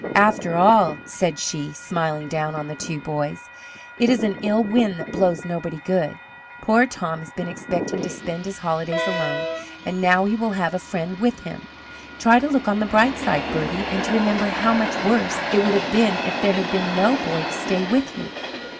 "After all," said she, smiling down on the two boys, "it is an ill wind that blows nobody good. Poor Tom has been expecting to spend his holidays alone, and now he will have a friend with him Try to look on the bright side, Bertie, and to remember how much worse it would have been if there had been no boy to stay with you."